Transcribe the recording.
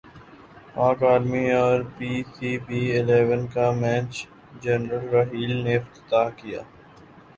پاک ارمی اور P C B eleven کا میچ جنرل راحیل نے افتتاح کیا